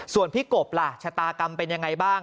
ส่วนพี่กบล่ะชะตากรรมเป็นยังไงบ้าง